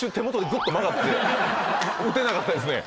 打てなかったですね。